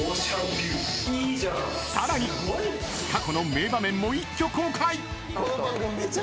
更に、過去の名場面も一挙公開！